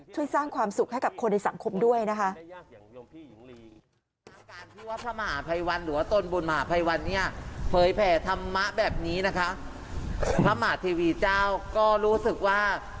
ช่วยสร้างความสุขให้กับคนในสังคมด้วยนะคะ